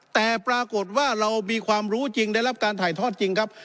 แต่ปรากฏว่าเรามีความรู้จริงได้รับการถ่ายทอดจริงครับ